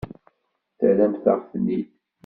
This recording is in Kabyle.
Terramt-aɣ-ten-id.